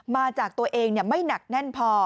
มาจากตัวเองไม่หนักแน่นพอ